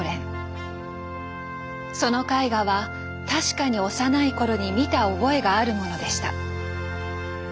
その絵画は確かに幼い頃に見た覚えがあるものでした。